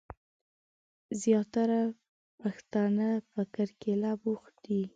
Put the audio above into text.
زياتره پښتنه په کرکيله بوخت دي.